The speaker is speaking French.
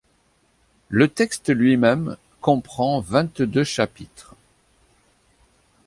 Le texte lui-même comprend vingt-deux chapitres.